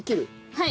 はい。